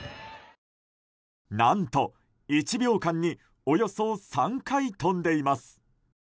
何と１秒間におよそ３回跳んでいます。